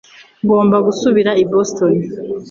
Ngomba gusubira i Boston